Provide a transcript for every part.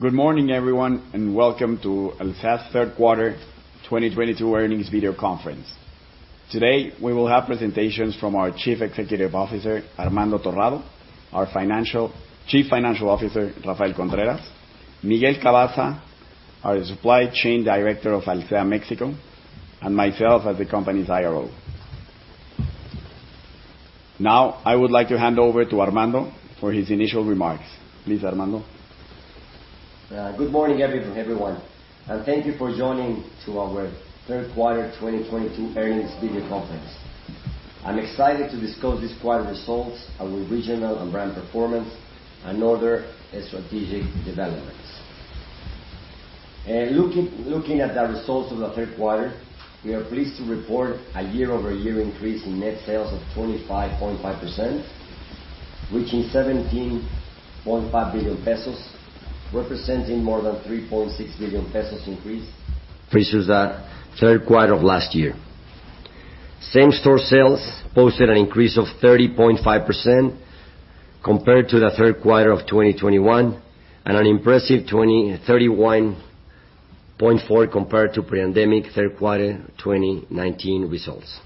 Good morning, everyone, and welcome to Alsea's third quarter 2022 earnings video conference. Today, we will have presentations from our Chief Executive Officer, Armando Torrado, our Chief Financial Officer, Rafael Contreras, Miguel Cavazza, our Supply Chain Director of Alsea Mexico, and myself as the company's IRO. Now, I would like to hand over to Armando for his initial remarks. Please, Armando. Good morning, everyone, and thank you for joining to our third quarter 2022 earnings video conference. I'm excited to discuss this quarter results, our regional and brand performance, and other strategic developments. Looking at the results of the third quarter, we are pleased to report a year-over-year increase in net sales of 25.5%, reaching 17.5 billion pesos, representing more than 3.6 billion pesos increase the third quarter of last year. Same store sales posted an increase of 30.5% compared to the third quarter of 2021, and an impressive 31.4% compared to pre-pandemic third quarter 2019 results.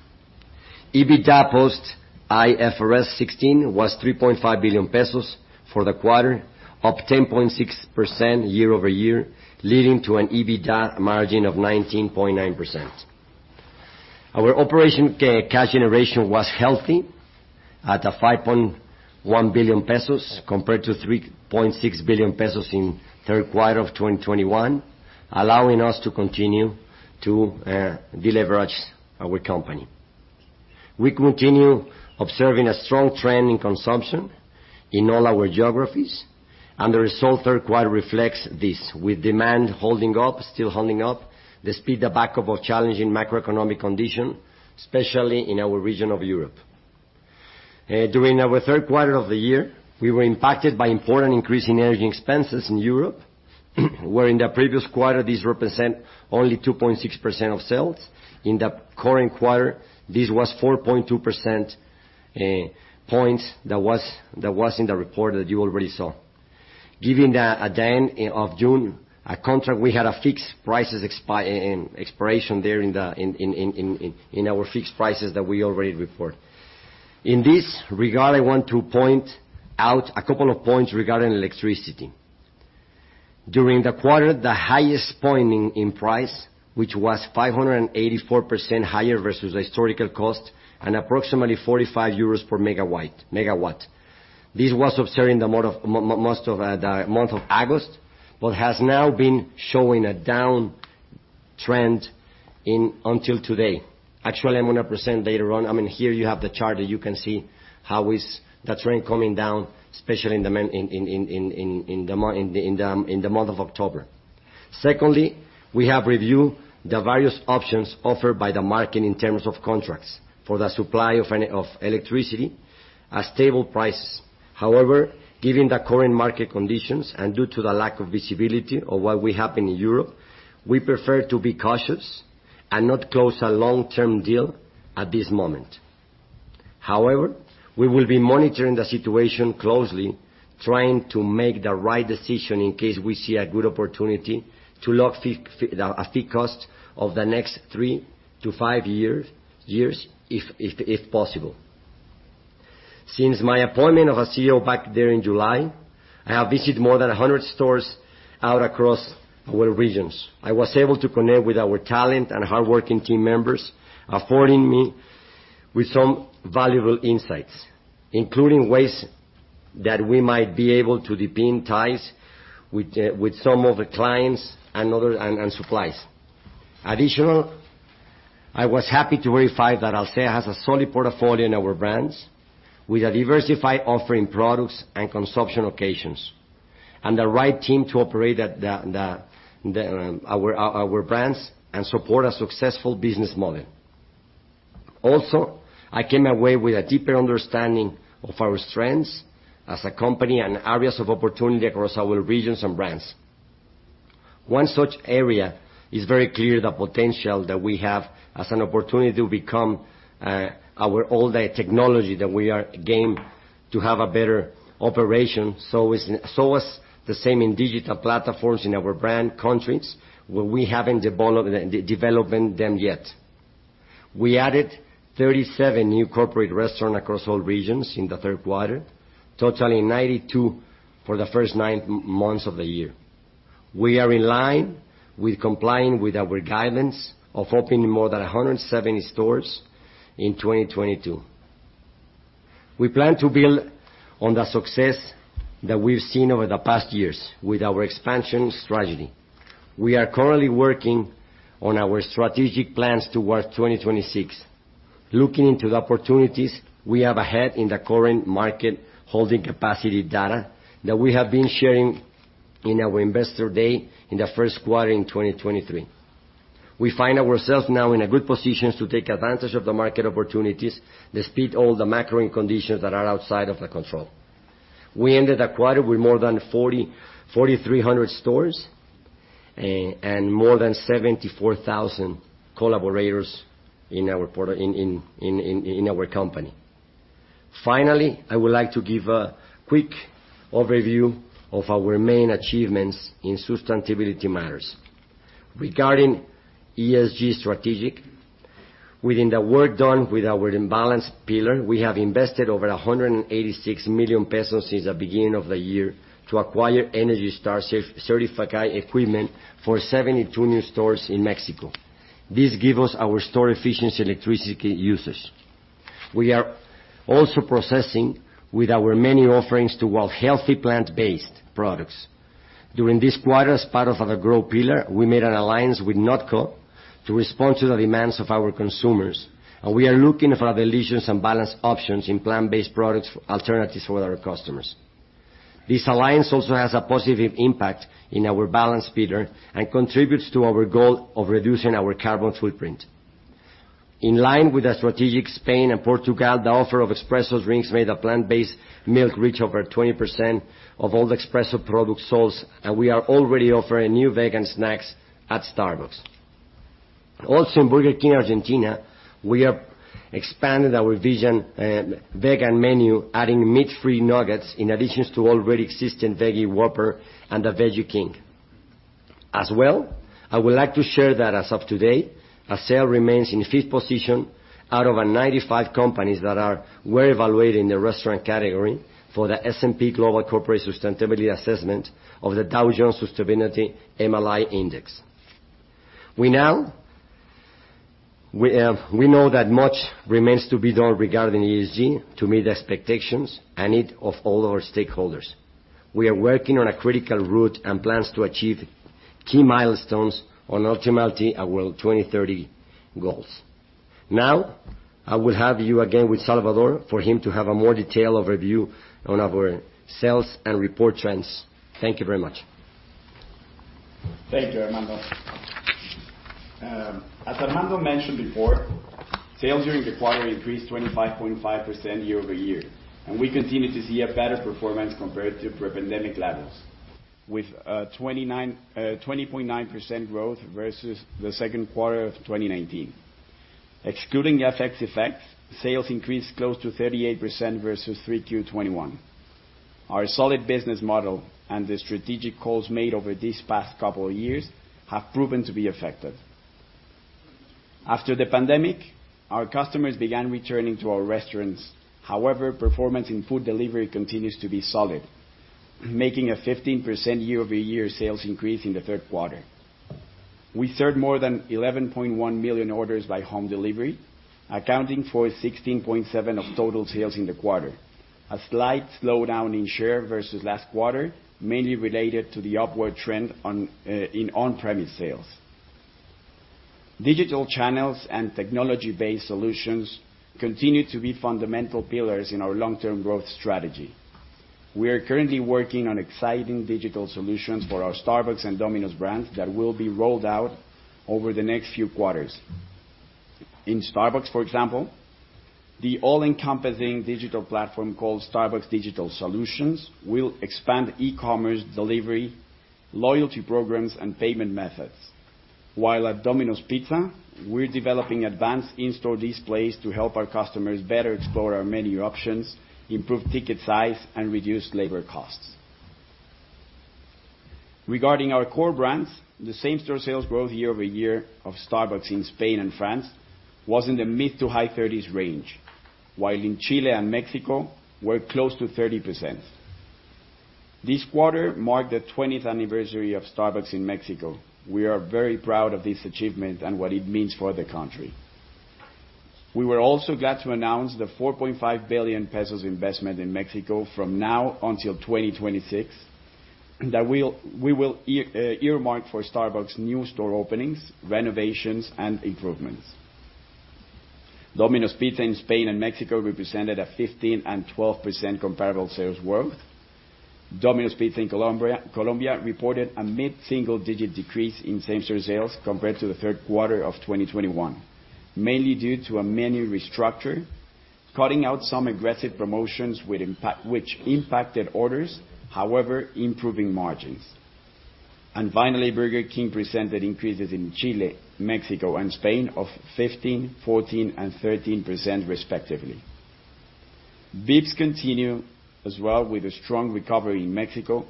EBITDA post IFRS 16 was 3.5 billion pesos for the quarter, up 10.6% year-over-year, leading to an EBITDA margin of 19.9%. Our operations cash generation was healthy, at 5.1 billion pesos compared to 3.6 billion pesos in third quarter of 2021, allowing us to continue to deleverage our company. We continue observing a strong trend in consumption in all our geographies, and the results third quarter reflects this, with demand holding up, despite the backdrop of challenging macroeconomic conditions, especially in our region of Europe. During our third quarter of the year, we were impacted by important increase in energy expenses in Europe, where in the previous quarter this represent only 2.6% of sales. In the current quarter, this was 4.2%. That was in the report that you already saw. Given that at the end of June, a contract, we had a fixed prices expiration there in our fixed prices that we already report. In this regard, I want to point out a couple of points regarding electricity. During the quarter, the highest point in price, which was 584% higher versus historical cost and approximately 45 euros per megawatt. This was observed in the most of the month of August, but has now been showing a down trend until today. Actually, I'm gonna present later on. I mean, here you have the chart that you can see how is the trend coming down, especially in the month of October. We have reviewed the various options offered by the market in terms of contracts for the supply of electricity at stable prices. Given the current market conditions and due to the lack of visibility of what will happen in Europe, we prefer to be cautious and not close a long-term deal at this moment. We will be monitoring the situation closely, trying to make the right decision in case we see a good opportunity to lock in a fixed cost for the next 3-5 years, if possible. Since my appointment as CEO back there in July, I have visited more than 100 stores across our regions. I was able to connect with our talent and hardworking team members, affording me with some valuable insights, including ways that we might be able to deepen ties with some of the clients and other suppliers. Additionally, I was happy to verify that Alsea has a solid portfolio in our brands with a diversified offering of products and consumption occasions, and the right team to operate our brands and support a successful business model. Also, I came away with a deeper understanding of our strengths as a company and areas of opportunity across our regions and brands. One such area is very clear: the potential that we have as an opportunity to upgrade our technology that we are going to have a better operation, so as the same in digital platforms in our brand countries where we haven't developed them yet. We added 37 new corporate restaurants across all regions in the third quarter, totaling 92 for the first nine months of the year. We are in line with our guidance of opening more than 170 stores in 2022. We plan to build on the success that we've seen over the past years with our expansion strategy. We are currently working on our strategic plans towards 2026. Looking into the opportunities we have ahead in the current market, holding capacity data that we have been sharing in our Investor Day in the first quarter in 2023. We find ourselves now in a good position to take advantage of the market opportunities despite all the macro conditions that are outside of our control. We ended the quarter with more than 4,300 stores, and more than 74,000 collaborators in our company. Finally, I would like to give a quick overview of our main achievements in sustainability matters. Regarding ESG strategic, within the work done with our balance pillar, we have invested over 186 million pesos since the beginning of the year to acquire ENERGY STAR-certified equipment for 72 new stores in Mexico. This give us our store efficiency electricity uses. We are also progressing with our many offerings toward healthy plant-based products. During this quarter, as part of our growth pillar, we made an alliance with NotCo to respond to the demands of our consumers, and we are looking for other delicious and balanced options in plant-based products alternatives for our customers. This alliance also has a positive impact in our balance pillar and contributes to our goal of reducing our carbon footprint. In line with the strategy in Spain and Portugal, the offer of espresso drinks made of plant-based milk reach over 20% of all espresso products sold, and we are already offering new vegan snacks at Starbucks. Also, in Burger King Argentina, we have expanded our vegan menu, adding meat-free nuggets in addition to already existing Veggie Whopper and the Veggie King.As well, I would like to share that as of today, Alsea remains in fifth position out of 95 companies that are evaluated in the restaurant category for the S&P Global Corporate Sustainability Assessment of the Dow Jones Sustainability MILA index. We know that much remains to be done regarding ESG to meet expectations and need of all our stakeholders. We are working on a critical route and plans to achieve key milestones on ultimately our world 2030 goals. Now, I will have you again with Salvador for him to have a more detailed overview on our sales and report trends. Thank you very much. Thank you, Armando. As Armando mentioned before, sales during the quarter increased 25.5% year-over-year, and we continue to see a better performance compared to pre-pandemic levels with 20.9% growth versus the second quarter of 2019. Excluding FX effects, sales increased close to 38% versus 3Q 2021. Our solid business model and the strategic calls made over these past couple of years have proven to be effective. After the pandemic, our customers began returning to our restaurants. However, performance in food delivery continues to be solid, making a 15% year-over-year sales increase in the third quarter. We served more than 11.1 million orders by home delivery, accounting for 16.7% of total sales in the quarter. A slight slowdown in share versus last quarter, mainly related to the upward trend in on-premise sales. Digital channels and technology-based solutions continue to be fundamental pillars in our long-term growth strategy. We are currently working on exciting digital solutions for our Starbucks and Domino's brands that will be rolled out over the next few quarters. In Starbucks, for example, the all-encompassing digital platform called Starbucks Digital Solutions will expand e-commerce, delivery, loyalty programs, and payment methods. While at Domino's Pizza, we're developing advanced in-store displays to help our customers better explore our menu options, improve ticket size, and reduce labor costs. Regarding our core brands, the same-store sales growth year-over-year of Starbucks in Spain and France was in the mid- to high-30s range, while in Chile and Mexico were close to 30%. This quarter marked the twentieth anniversary of Starbucks in Mexico. We are very proud of this achievement and what it means for the country. We were also glad to announce the 4.5 billion pesos investment in Mexico from now until 2026 that we will earmarked for Starbucks new store openings, renovations, and improvements. Domino's Pizza in Spain and Mexico represented a 15% and 12% comparable sales growth. Domino's Pizza in Colombia reported a mid-single digit decrease in same-store sales compared to the third quarter of 2021, mainly due to a menu restructure, cutting out some aggressive promotions with impact, which impacted orders, however, improving margins. Finally, Burger King presented increases in Chile, Mexico, and Spain of 15%, 14%, and 13% respectively. Vips continue as well with a strong recovery in Mexico,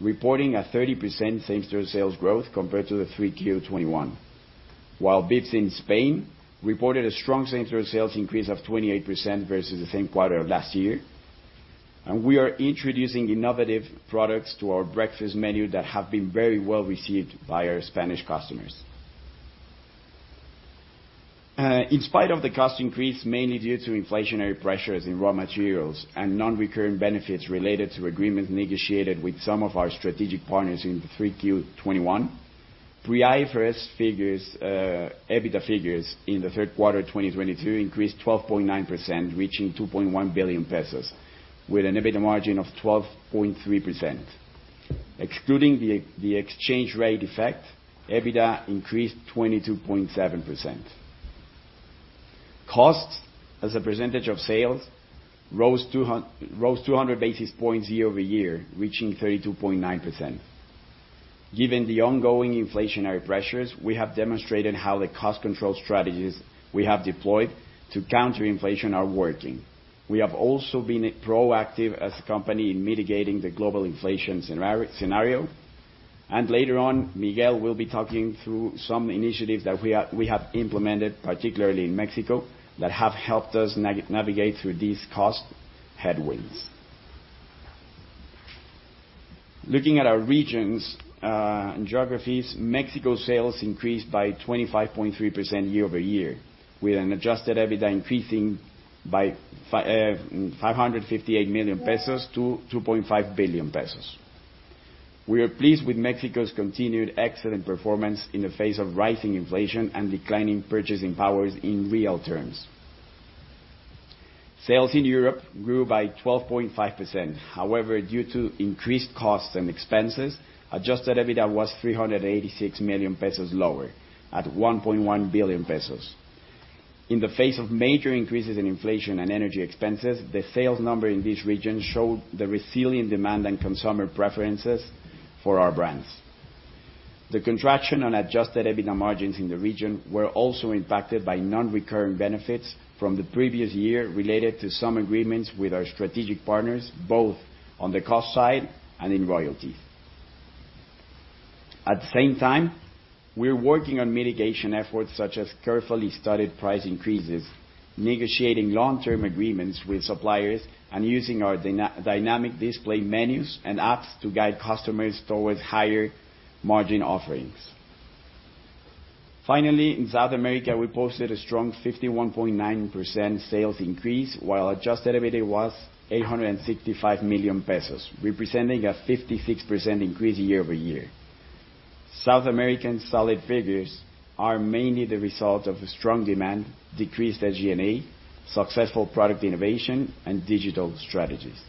reporting a 30% same-store sales growth compared to the 3Q 2021. While Vips in Spain reported a strong same-store sales increase of 28% versus the same quarter of last year. We are introducing innovative products to our breakfast menu that have been very well received by our Spanish customers. In spite of the cost increase, mainly due to inflationary pressures in raw materials and non-recurring benefits related to agreements negotiated with some of our strategic partners in the 3Q 2021, pre-IFRS figures, EBITDA figures in the third quarter 2022 increased 12.9%, reaching 2.1 billion pesos with an EBITDA margin of 12.3%. Excluding the exchange rate effect, EBITDA increased 22.7%. Costs as a percentage of sales rose 200 basis points year-over-year, reaching 32.9%. Given the ongoing inflationary pressures, we have demonstrated how the cost control strategies we have deployed to counter inflation are working. We have also been proactive as a company in mitigating the global inflation scenario. Later on, Miguel will be talking through some initiatives that we have implemented, particularly in Mexico, that have helped us navigate through these cost headwinds. Looking at our regions and geographies, Mexico sales increased by 25.3% year-over-year, with an adjusted EBITDA increasing by 558 million pesos to 2.5 billion pesos. We are pleased with Mexico's continued excellent performance in the face of rising inflation and declining purchasing powers in real terms. Sales in Europe grew by 12.5%. However, due to increased costs and expenses, adjusted EBITDA was 386 million pesos lower, at 1.1 billion pesos. In the face of major increases in inflation and energy expenses, the sales number in this region showed the resilient demand and consumer preferences for our brands. The contraction on adjusted EBITDA margins in the region were also impacted by non-recurring benefits from the previous year related to some agreements with our strategic partners, both on the cost side and in royalties. At the same time, we're working on mitigation efforts, such as carefully studied price increases, negotiating long-term agreements with suppliers, and using our dynamic display menus and apps to guide customers towards higher margin offerings. Finally, in South America, we posted a strong 51.9% sales increase, while adjusted EBITDA was 865 million pesos, representing a 56% increase year-over-year. South America's solid figures are mainly the result of strong demand, decreased SG&A, successful product innovation, and digital strategies.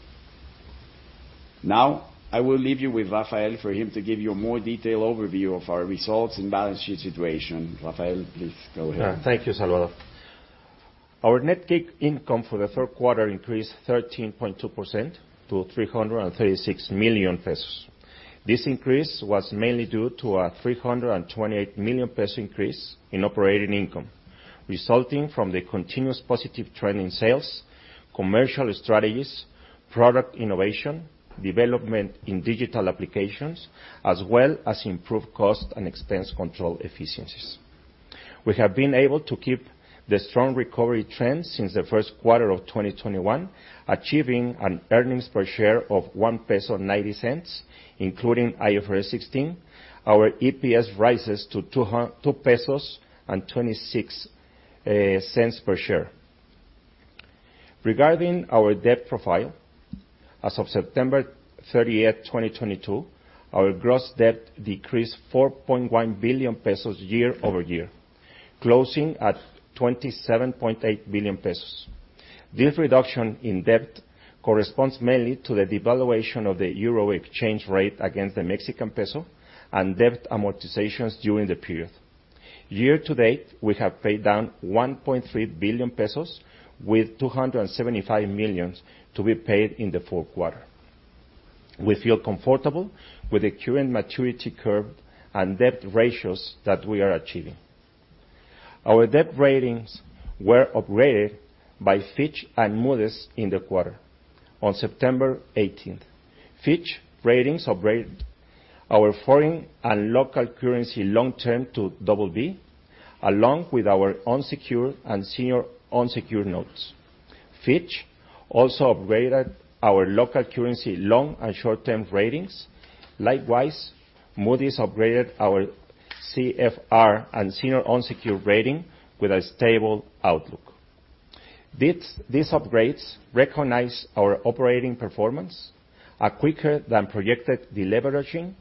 Now, I will leave you with Rafael for him to give you a more detailed overview of our results and balance sheet situation. Rafael, please go ahead. Thank you, Salvador. Our net income for the third quarter increased 13.2% to 336 million pesos. This increase was mainly due to a 328 million peso increase in operating income, resulting from the continuous positive trend in sales, commercial strategies, product innovation, development in digital applications, as well as improved cost and expense control efficiencies. We have been able to keep the strong recovery trend since the first quarter of 2021, achieving an earnings per share of 1.90 peso, including IFRS 16. Our EPS rises to 2.26 pesos per share. Regarding our debt profile, as of September 30, 2022, our gross debt decreased 4.1 billion pesos year-over-year, closing at 27.8 billion pesos. This reduction in debt corresponds mainly to the devaluation of the euro exchange rate against the Mexican peso and debt amortizations during the period. Year to date, we have paid down 1.3 billion pesos, with 275 million to be paid in the fourth quarter. We feel comfortable with the current maturity curve and debt ratios that we are achieving. Our debt ratings were upgraded by Fitch Ratings and Moody's in the quarter. On September eighteenth, Fitch Ratings upgraded our foreign and local currency long term to double B, along with our unsecured and senior unsecured notes. Fitch Ratings also upgraded our local currency long and short-term ratings. Likewise, Moody's upgraded our CFR and senior unsecured rating with a stable outlook. These upgrades recognize our operating performance, quicker than projected deleveraging,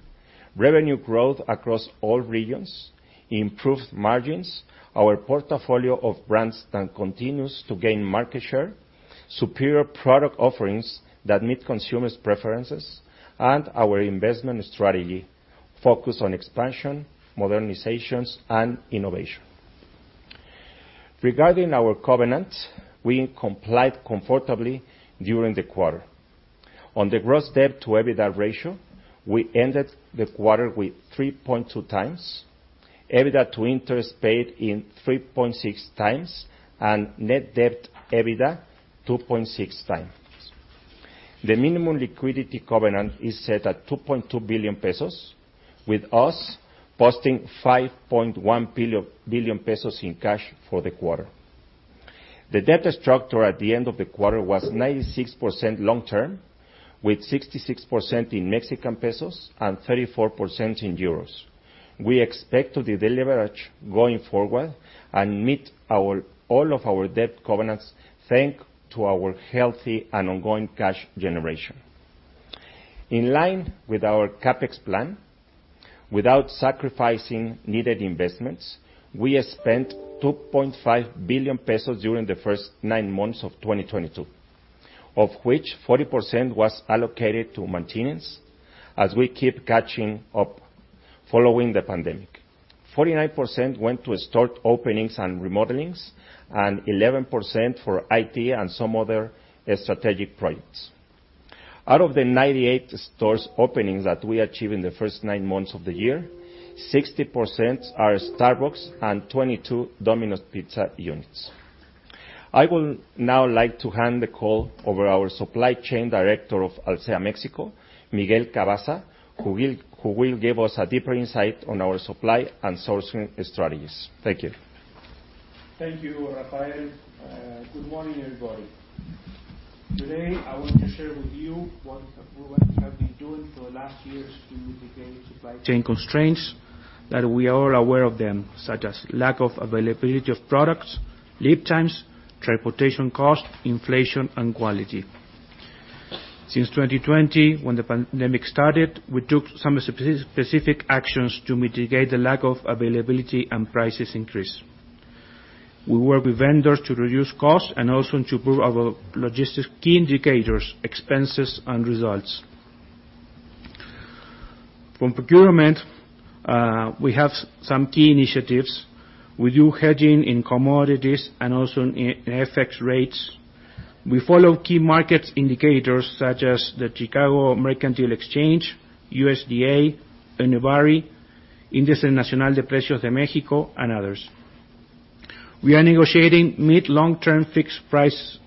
revenue growth across all regions, improved margins, our portfolio of brands that continues to gain market share, superior product offerings that meet consumers' preferences, and our investment strategy focused on expansion, modernizations, and innovation. Regarding our covenant, we complied comfortably during the quarter. On the gross debt to EBITDA ratio, we ended the quarter with 3.2x, EBITDA to interest paid in 3.6x, and net debt EBITDA 2.6x. The minimum liquidity covenant is set at 2.2 billion pesos, with us posting 5.1 billion pesos in cash for the quarter. The debt structure at the end of the quarter was 96% long-term, with 66% in Mexican pesos and 34% in euros. We expect to deleverage going forward and meet our, all of our debt covenants, thanks to our healthy and ongoing cash generation. In line with our CapEx plan, without sacrificing needed investments, we spent 2.5 billion pesos during the first nine months of 2022, of which 40% was allocated to maintenance as we keep catching up following the pandemic. 49% went to store openings and remodelings, and 11% for IT and some other strategic projects. Out of the 98 store openings that we achieved in the first nine months of the year, 60% are Starbucks and 22 Domino's Pizza units. I would now like to hand the call over to our Supply Chain Director of Alsea Mexico, Miguel Cavazza, who will give us a deeper insight on our supply and sourcing strategies. Thank you. Thank you, Rafael. Good morning, everybody. Today, I want to share with you what improvements have been done for last years to mitigate supply chain constraints that we are all aware of them, such as lack of availability of products, lead times, transportation cost, inflation, and quality. Since 2020, when the pandemic started, we took some specific actions to mitigate the lack of availability and prices increase. We work with vendors to reduce costs and also to improve our logistics key indicators, expenses, and results. From procurement, we have some key initiatives. We do hedging in commodities and also in FX rates. We follow key market indicators such as the Chicago Mercantile Exchange, USDA, INPC, Índice Nacional de Precios al Consumidor, and others. We are negotiating mid, long-term fixed price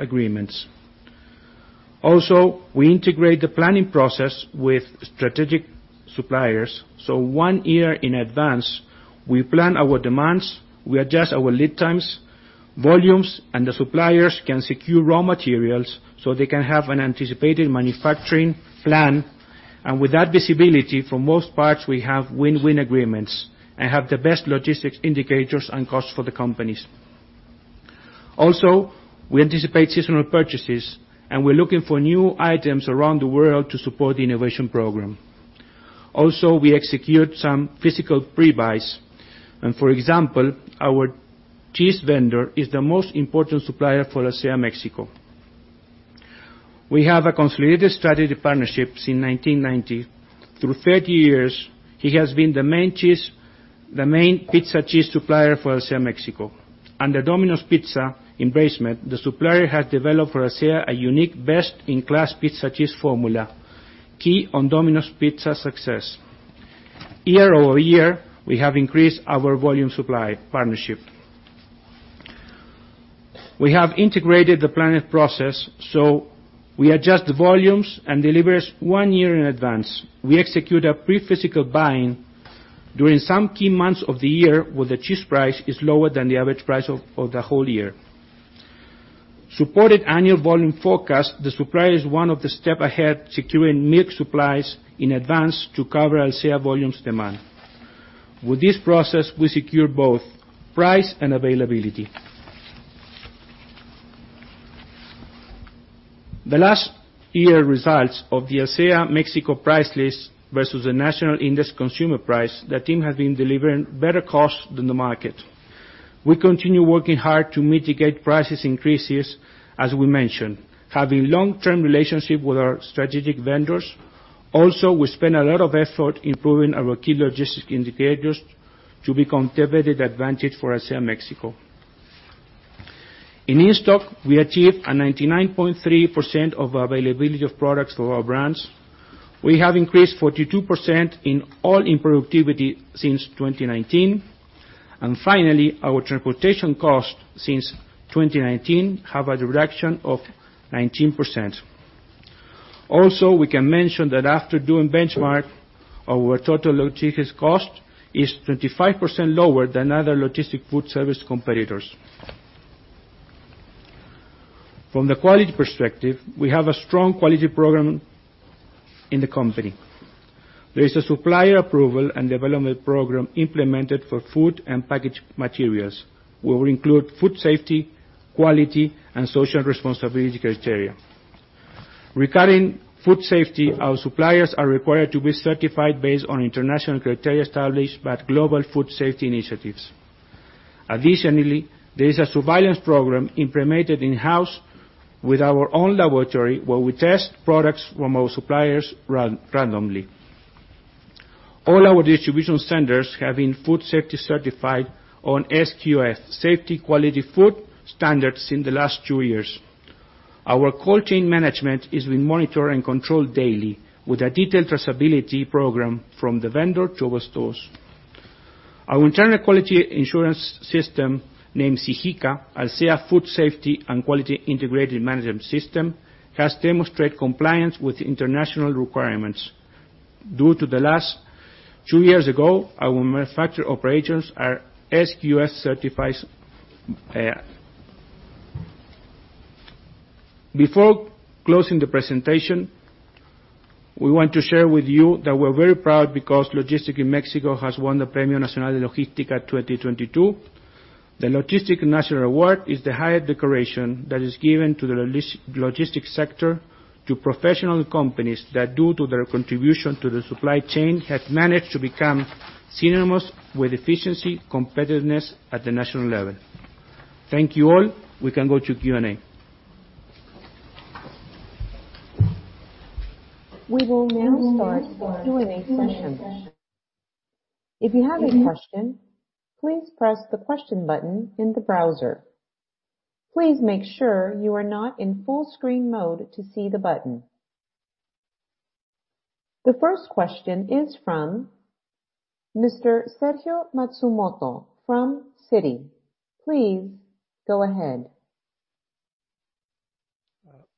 agreements. Also, we integrate the planning process with strategic suppliers. One year in advance, we plan our demands, we adjust our lead times, volumes, and the suppliers can secure raw materials, so they can have an anticipated manufacturing plan. With that visibility, for most parts, we have win-win agreements and have the best logistics indicators and costs for the companies. Also, we anticipate seasonal purchases, and we're looking for new items around the world to support the innovation program. Also, we execute some physical pre-buys and for example, our cheese vendor is the most important supplier for Alsea Mexico. We have consolidated strategic partnerships in 1990. Over 30 years, he has been the main cheese, the main pizza cheese supplier for Alsea Mexico. Under Domino's Pizza umbrella, the supplier has developed for Alsea a unique best-in-class pizza cheese formula, key to Domino's Pizza success. Year-over-year, we have increased our volume supply partnership. We have integrated the planning process, so we adjust the volumes and delivery one year in advance. We execute a pre-physical buying during some key months of the year, where the cheese price is lower than the average price of the whole year. Supported by annual volume forecast, the supplier is one step ahead securing milk supplies in advance to cover Alsea volume demand. With this process, we secure both price and availability. The last year results of the Alsea Mexico price list versus the national consumer price index, the team has been delivering better cost than the market. We continue working hard to mitigate price increases, as we mentioned, having long-term relationship with our strategic vendors. Also, we spend a lot of effort improving our key logistics indicators to become competitive advantage for Alsea Mexico. In-stock, we achieved 99.3% availability of products for our brands. We have increased 42% in all-in productivity since 2019. Finally, our transportation cost since 2019 have a reduction of 19%. Also, we can mention that after doing benchmark, our total logistics cost is 25% lower than other logistics food service competitors. From the quality perspective, we have a strong quality program in the company. There is a supplier approval and development program implemented for food and packaging materials. We will include food safety, quality, and social responsibility criteria. Regarding food safety, our suppliers are required to be certified based on international criteria established by global food safety initiatives. Additionally, there is a surveillance program implemented in-house with our own laboratory, where we test products from our suppliers randomly. All our distribution centers have been food safety certified on SQF, Safe Quality Food, standards in the last two years. Our cold chain management is being monitored and controlled daily with a detailed traceability program from the vendor to our stores. Our internal quality assurance system, named SIHICA, Alsea Food Safety and Quality Integrated Management System, has demonstrated compliance with international requirements. In the last two years, our manufacturing operations are SQF certified. Before closing the presentation, we want to share with you that we're very proud because Logistics in Mexico has won the Premio Nacional de Logística 2022. The Logistics National Award is the highest decoration that is given to the logistic sector, to professional companies that, due to their contribution to the supply chain, have managed to become synonymous with efficiency, competitiveness at the national level. Thank you all. We can go to Q&A. We will now start the Q&A session. If you have a question, please press the question button in the browser. Please make sure you are not in full screen mode to see the button. The first question is from Mr. Sergio Matsumoto from Citi. Please go ahead.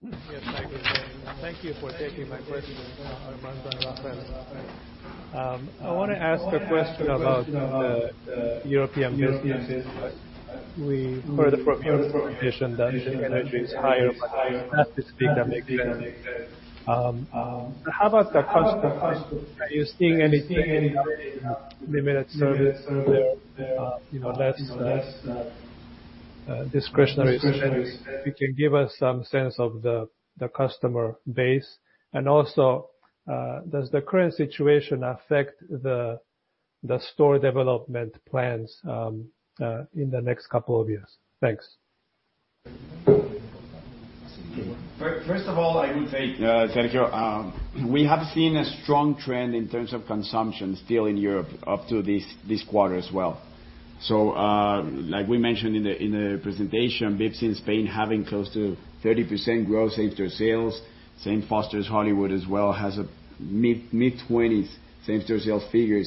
Yes, thank you. Thank you for taking my question, Armando and Rafael. I wanna ask a question about the European businesses. We heard from your presentation that energy is higher, but not as big as maybe then. How about the customer base? Are you seeing anything in limited service or there are, you know, less discretionary spendings? If you can give us some sense of the customer base. Also, does the current situation affect the store development plans in the next couple of years? Thanks. First of all, I would say, Sergio, we have seen a strong trend in terms of consumption still in Europe up to this quarter as well. Like we mentioned in the presentation, Vips in Spain having close to 30% growth same-store sales. Same Foster's Hollywood as well, has a mid-20s same-store sales figure.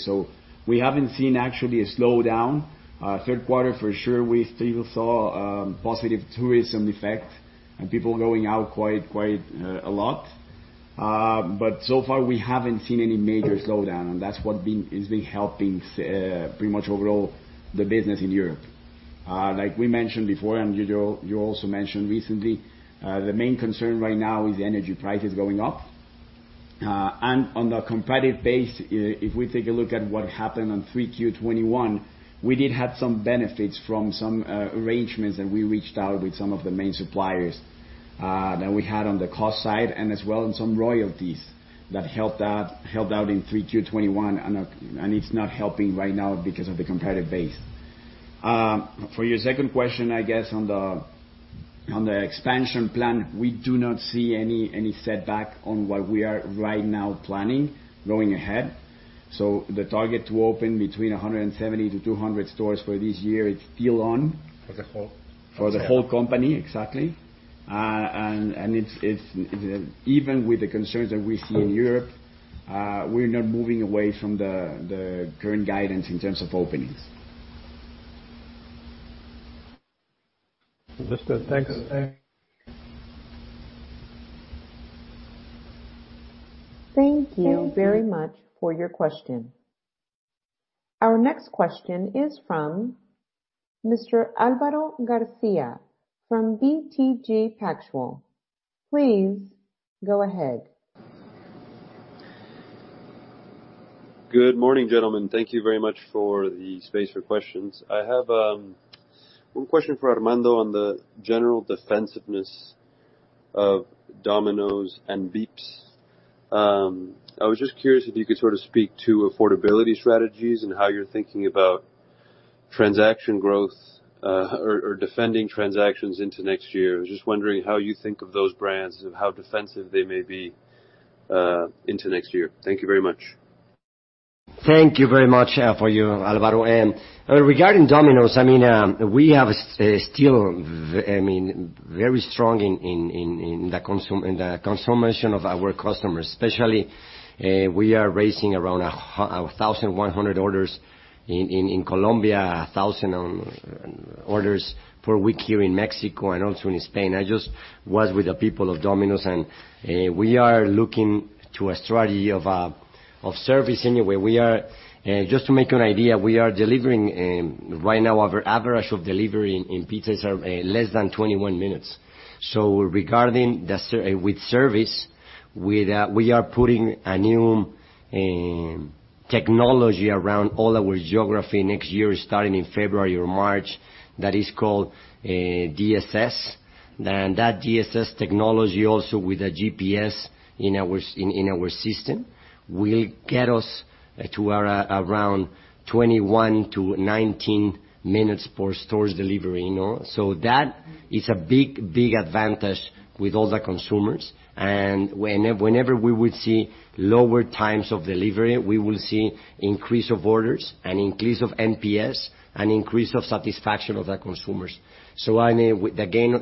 We haven't seen actually a slowdown. Third quarter for sure, we still saw positive tourism effect and people going out quite a lot. So far we haven't seen any major slowdown, and that's what's been helping pretty much overall the business in Europe. Like we mentioned before, and you also mentioned recently, the main concern right now is energy prices going up. On the comp base, if we take a look at what happened in 3Q21, we did have some benefits from some arrangements that we reached out with some of the main suppliers that we had on the cost side, and as well in some royalties that helped out in 3Q21, and it's not helping right now because of the comp base. For your second question, I guess on the expansion plan, we do not see any setback on what we are right now planning going ahead. The target to open between 170-200 stores for this year is still on. For the whole company. For the whole company. Exactly. Even with the concerns that we see in Europe, we're not moving away from the current guidance in terms of openings. Mr. Thanks. Thank you very much for your question. Our next question is from Mr. Álvaro García from BTG Pactual. Please go ahead. Good morning, gentlemen. Thank you very much for the space for questions. I have one question for Armando on the general defensiveness of Domino's and Vips. I was just curious if you could sort of speak to affordability strategies and how you're thinking about transaction growth, or defending transactions into next year. I was just wondering how you think of those brands and how defensive they may be into next year. Thank you very much. Thank you very much for you, Alvaro. Regarding Domino's, I mean, we have still, I mean, very strong in the consumption of our customers. Especially, we are raising around 1,100 orders in Colombia, 1,000 orders per week here in Mexico and also in Spain. I just was with the people of Domino's, and we are looking to a strategy of service anyway. Just to make you an idea, we are delivering right now our average of delivery in pizza is less than 21 minutes. Regarding the service, we are putting a new technology around all our geography next year, starting in February or March, that is called DSS. That DSS technology also with a GPS in our system will get us to around 21-19 minutes for stores delivery, you know. That is a big advantage with all the consumers. Whenever we would see lower times of delivery, we will see increase of orders and increase of NPS and increase of satisfaction of the consumers. I mean, with the name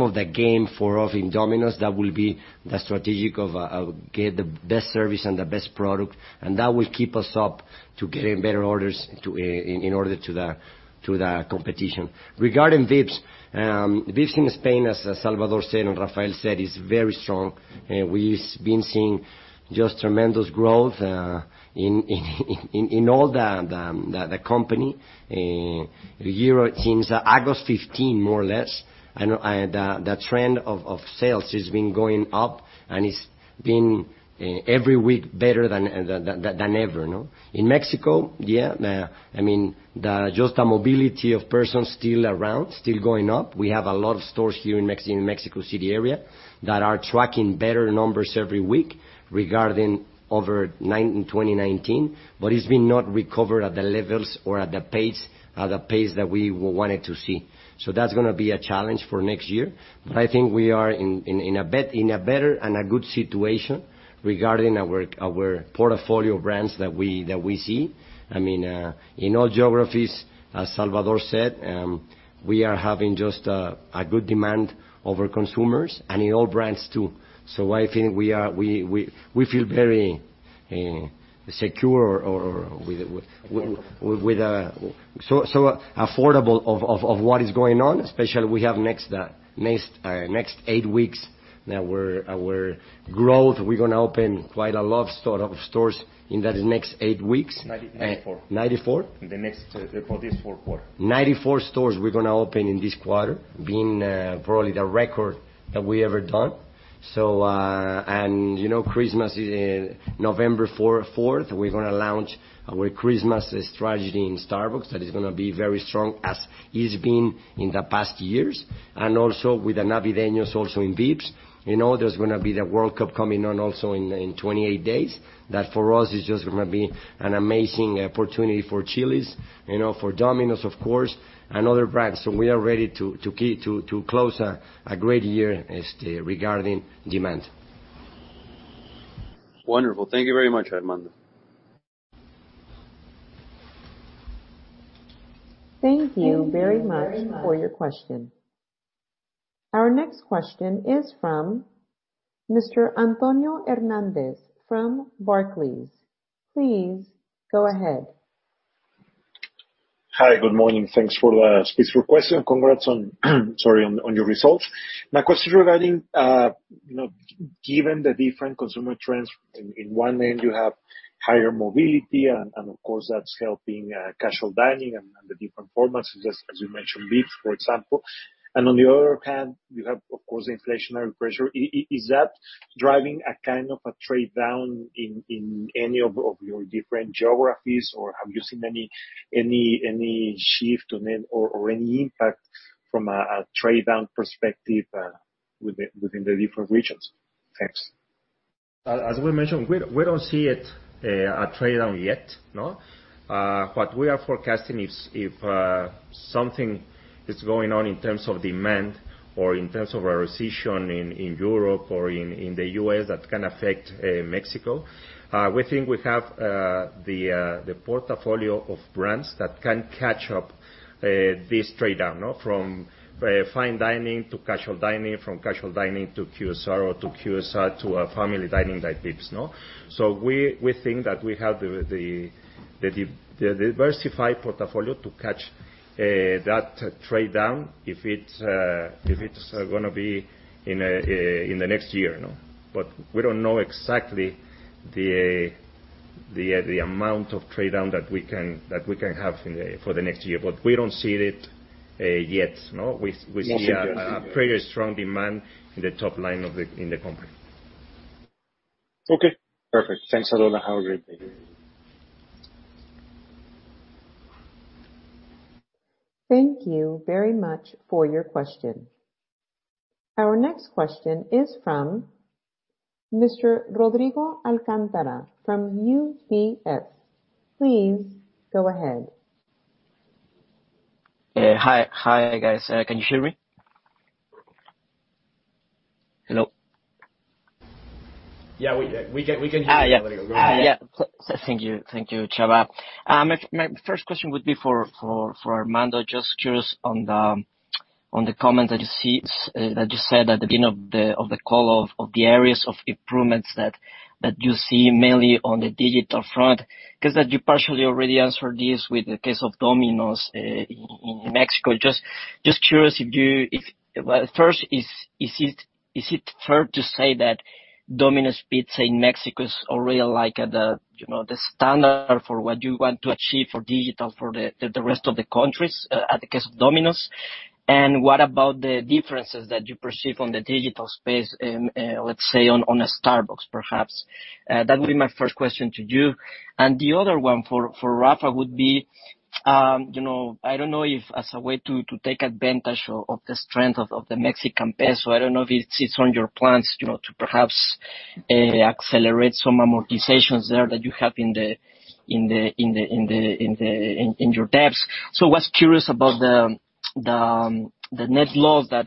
of the game for us in Domino's, that will be the strategic of get the best service and the best product, and that will keep us up to getting better orders in order to the competition. Regarding Vips in Spain, as Salvador said and Rafael said, is very strong. We've been seeing just tremendous growth in all the company since August 15, more or less, and the trend of sales has been going up, and it's been every week better than than ever, you know. In Mexico, I mean, just the mobility of persons still around, still going up. We have a lot of stores here in Mexico City area that are tracking better numbers every week regarding over 2019, but it's been not recovered at the levels or at the pace that we wanted to see. That's gonna be a challenge for next year. I think we are in a better and a good situation regarding our portfolio brands that we see. I mean, in all geographies, as Salvador said, we are having just a good demand of our consumers and in all brands too. I think we feel very secure or with a very favorable view of what is going on, especially we have next eight weeks that our growth, we're gonna open quite a lot of stores in that next eight weeks. 94? 94? For this quarter. 94 stores we're gonna open in this quarter, being probably the record that we ever done. Christmas is in November fourth. We're gonna launch our Christmas strategy in Starbucks. That is gonna be very strong as it's been in the past years, and also with the Navideños also in Vips. You know, there's gonna be the World Cup coming on also in 28 days. That for us is just gonna be an amazing opportunity for Chili's, you know, for Domino's of course, and other brands. We are ready to close a great year regarding demand. Wonderful. Thank you very much, Armando. Thank you very much for your question. Our next question is from Mr. Antonio Hernández Vélez Leija from Actinver. Please go ahead. Hi. Good morning. Thanks for the space request and congrats on your results. My question regarding you know, given the different consumer trends, in one end you have higher mobility and of course, that's helping casual dining and the different formats, just as you mentioned, Vips, for example. On the other hand, you have of course, the inflationary pressure. Is that driving a kind of a trade down in any of your different geographies? Or have you seen any shift or any impact from a trade down perspective within the different regions? Thanks. As we mentioned, we don't see it a trade down yet, no? What we are forecasting if something is going on in terms of demand or in terms of a recession in Europe or in the U.S that can affect Mexico, we think we have the portfolio of brands that can catch up this trade down, no? From fine dining to casual dining, from casual dining to QSR or to QSR to a family dining like Vips, no? We think that we have the diversified portfolio to catch that trade down if it's gonna be in the next year, no? We don't know exactly the amount of trade down that we can have for the next year. We don't see it yet, no? We see a- No suggestions yet. A pretty strong demand in the top line of the company. Okay, perfect. Thanks a lot. Have a great day. Thank you very much for your question. Our next question is from Mr. Rodrigo Alcántara from UBS. Please go ahead. Hi. Hi guys. Can you hear me? Hello? Yeah, we can hear you. Yeah. Go ahead. Thank you. Thank you, Xavier. My first question would be for Armando. Just curious on the comment that you said at the beginning of the call of the areas of improvements that you see mainly on the digital front. 'Cause you partially already answered this with the case of Domino's in Mexico. Just curious if you. Well, first is it fair to say that Domino's Pizza in Mexico is already like you know the standard for what you want to achieve for digital for the rest of the countries at the case of Domino's? And what about the differences that you perceive on the digital space in let's say on a Starbucks, perhaps? That would be my first question to you. The other one for Rafa would be, you know, I don't know if as a way to take advantage of the strength of the Mexican peso, I don't know if it's on your plans, you know, to perhaps accelerate some amortizations there that you have in your debts. I was curious about the net loss that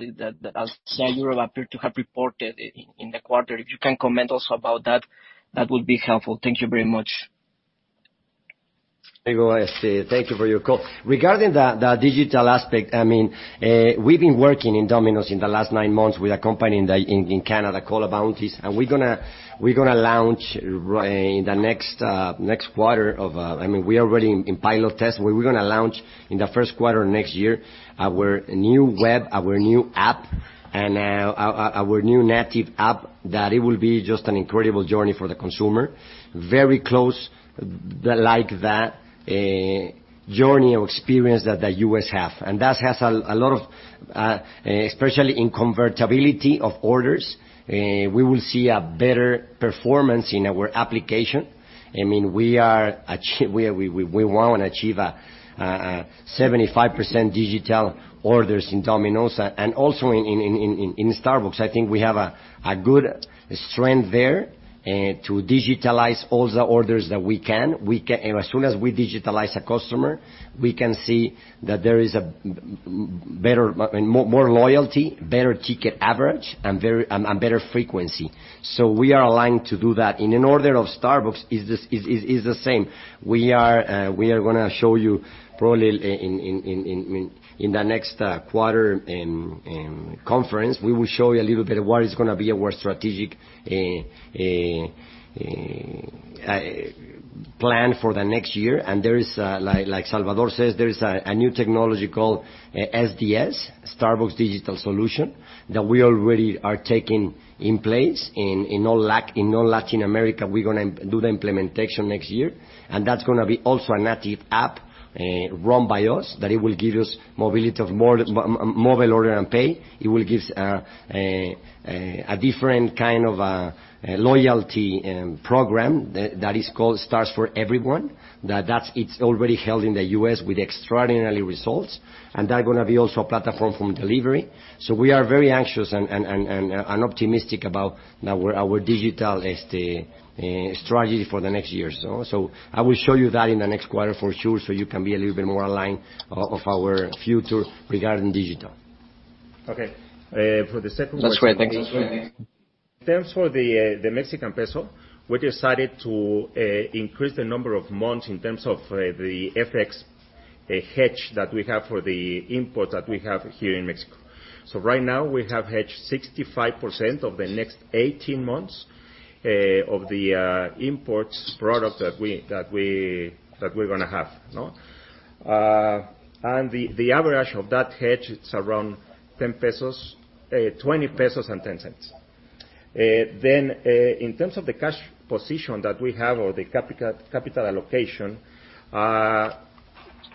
Alsea appears to have reported in the quarter. If you can comment also about that would be helpful. Thank you very much. Rodrigo, yes. Thank you for your call. Regarding the digital aspect, I mean, we've been working in Domino's in the last 9 months with a company in Canada called Bounteous, and we're gonna launch. I mean, we are already in pilot tests. We're gonna launch in the first quarter of next year our new web, our new app and our new native app that it will be just an incredible journey for the consumer. Very close to, like, that journey or experience that the U.S. have. That has a lot of, especially in convertibility of orders, we will see a better performance in our application. I mean, we wanna achieve a 75% digital orders in Domino's. Also in Starbucks, I think we have a good strength there to digitalize all the orders that we can. As soon as we digitalize a customer, we can see that there is more loyalty, better ticket average, and better frequency. We are aligned to do that. In any order of Starbucks is the same. We are gonna show you probably in the next quarter conference. We will show you a little bit of what is gonna be our strategic plan for the next year, and there is, like Salvador says, there is a new technology called SDS, Starbucks Digital Solutions, that we already are putting in place. In all Latin America, we're gonna do the implementation next year, and that's gonna be also a native app run by us that will give us mobile order and pay. It will give a different kind of loyalty program that is called Stars for Everyone. That's already live in the U.S with extraordinary results, and that's gonna be also a platform for delivery. We are very anxious and optimistic about our digital strategy for the next year or so. I will show you that in the next quarter for sure, so you can be a little bit more aligned with our future regarding digital. Okay, for the second question. That's great. Thanks. In terms of the Mexican peso, we decided to increase the number of months in terms of the FX hedge that we have for the imports that we have here in Mexico. Right now we have hedged 65% of the next 18 months of the imported products that we're gonna have, no? The average of that hedge, it's around 10.20 pesos. In terms of the cash position that we have, or the capital allocation,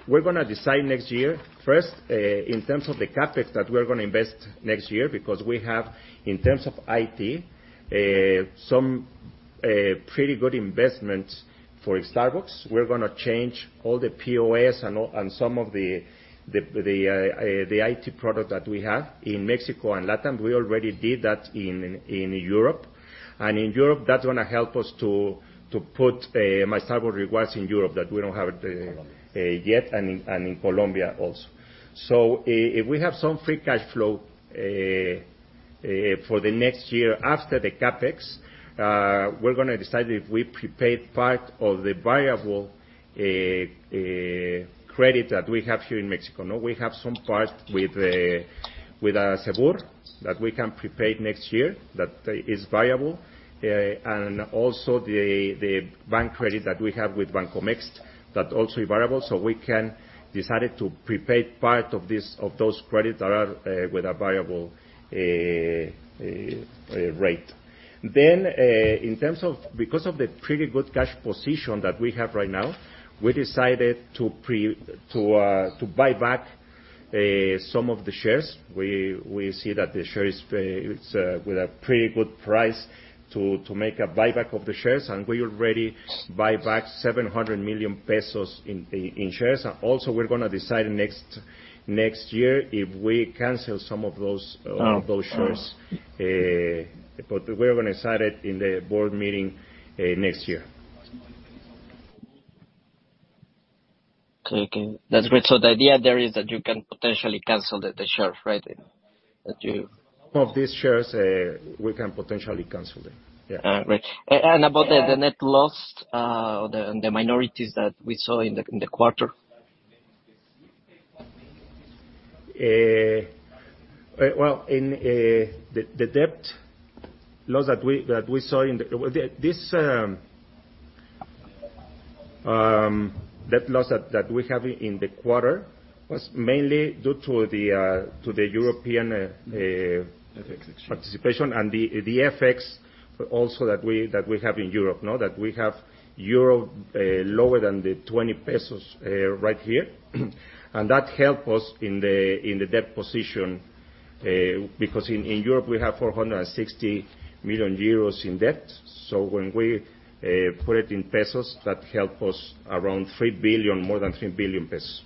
we're gonna decide next year first in terms of the CapEx that we are gonna invest next year, because we have, in terms of IT, some pretty good investments for Starbucks. We're gonna change all the POS and all. Some of the IT product that we have in Mexico and Latin. We already did that in Europe. In Europe, that's gonna help us to put my Starbucks Rewards in Europe that we don't have. Colombia yet, and in Colombia also. If we have some free cash flow for the next year after the CapEx, we're gonna decide if we prepaid part of the variable credit that we have here in Mexico, no? We have some part with Sabadell that we can prepaid next year that is variable. Also the bank credit that we have with Bancomext that also is variable. We can decide to prepaid part of this, of those credit that are with a variable rate. Because of the pretty good cash position that we have right now, we decided to buy back some of the shares. We see that the share is with a pretty good price to make a buyback of the shares, and we already buyback 700 million pesos in shares. We're gonna decide next year if we cancel some of those shares. We're gonna decide it in the board meeting next year. Okay. That's great. The idea there is that you can potentially cancel the share, right? Of these shares, we can potentially cancel it. Yeah. Great. About the net loss or the minorities that we saw in the quarter. Well, in the net loss that we have in the quarter was mainly due to the European. FX exposure Participation and the FX also that we have in Europe, no? That we have euro lower than the 20 pesos right here. That help us in the debt position because in Europe we have 460 million euros in debt. When we put it in pesos, that help us around 3 billion, more than 3 billion pesos.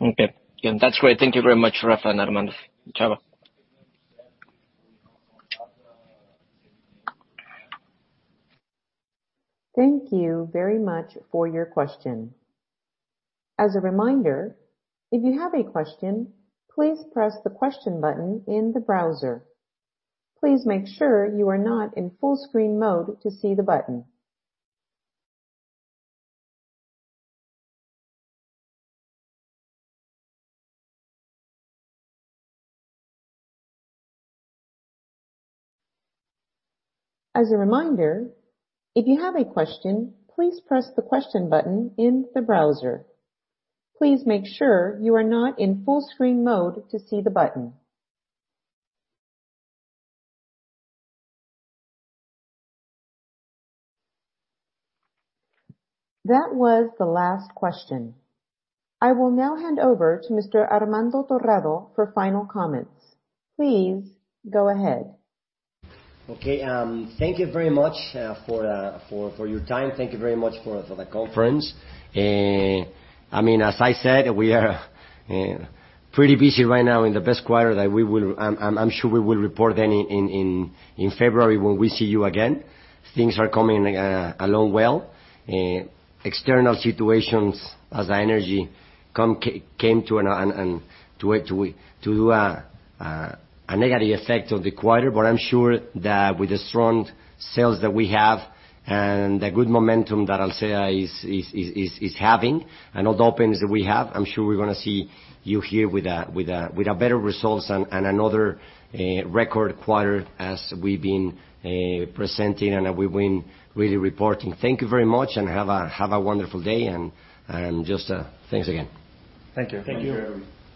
Okay. Yeah, that's great. Thank you very much, Rafa and Armando. Ciao. Thank you very much for your question. As a reminder, if you have a question, please press the question button in the browser. Please make sure you are not in full screen mode to see the button. As a reminder, if you have a question, please press the question button in the browser. Please make sure you are not in full screen mode to see the button. That was the last question. I will now hand over to Mr. Armando Torrado for final comments. Please go ahead. Okay. Thank you very much for your time. Thank you very much for the conference. I mean, as I said, we are pretty busy right now in the best quarter that we will report then in February when we see you again. Things are coming along well. External situations, such as energy, came to a negative effect of the quarter, but I'm sure that with the strong sales that we have and the good momentum that Alsea is having, and all the openings that we have, I'm sure we're gonna see you here with better results and another record quarter as we've been presenting and we've been really reporting. Thank you very much and have a wonderful day, and just thanks again. Thank you. Thank you. Thank you, everyone.